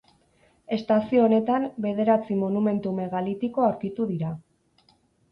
Estazio honetan bederatzi monumentu megalitiko aurkitu dira.